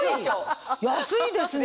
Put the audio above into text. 安いですね！